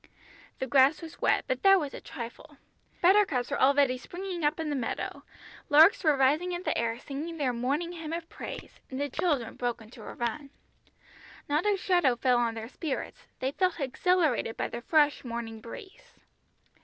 The grass was wet, but that was a trifle. Buttercups were already springing up in the meadow; larks were rising in the air singing their morning hymn of praise, and the children broke into a run. Not a shadow fell on their spirits, they felt exhilarated by the fresh morning breeze.